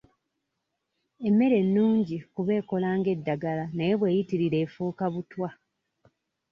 Emmere nnungi kuba ekola ng'eddagala naye bweyitirira efuuka butwa.